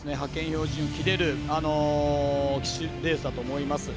標準切れるレースだと思います。